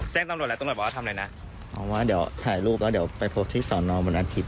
แจ้งตำรวจแล้วตำรวจบอกว่าทำอะไรนะบอกว่าเดี๋ยวถ่ายรูปแล้วเดี๋ยวไปพบที่สอนอวันอาทิตย